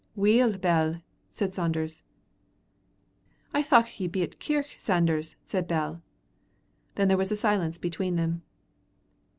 "Weel, Bell," said Sanders. "I thocht ye'd been at the kirk, Sanders," said Bell. Then there was a silence between them.